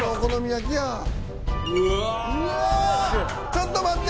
ちょっと待って！